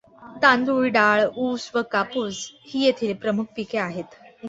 तांदूळ, डाळ, ऊस व कापूस ही येथील प्रमुख पिके आहेत.